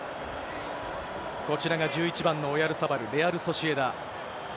こちらが１１番のオヤルサバル、レアル・ソシエダ。